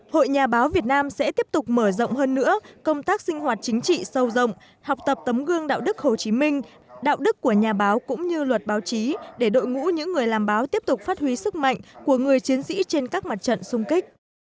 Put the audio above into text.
hội nhà báo việt nam sẽ tiếp tục mở rộng hơn nữa công tác sinh hoạt chính trị sâu rộng học tập tấm gương đạo đức hồ chí minh đạo đức của nhà báo cũng như luật báo chí để đội ngũ những người làm báo tiếp tục phát huy sức mạnh của người chiến sĩ trên các mặt trận xung kích